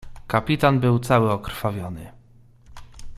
"Kapitan był cały okrwawiony."